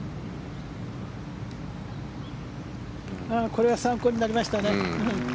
これは参考になりましたね。